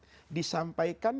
jadi kita harus memperhatikan